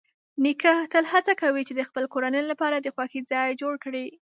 نیکه تل هڅه کوي چې د خپل کورنۍ لپاره د خوښۍ ځای جوړ کړي.